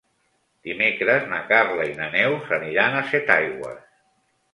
Dimecres na Carla i na Neus aniran a Setaigües.